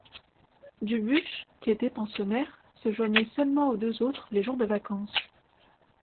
Dubuche, qui était pensionnaire, se joignait seulement aux deux autres les jours de vacances.